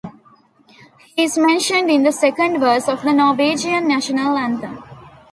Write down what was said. He is mentioned in the second verse of the Norwegian national anthem.